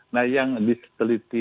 nah yang diteliti